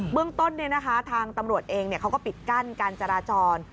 เมืองต้นทางตำรวจเองเขาก็ปิดกั้นการจราจร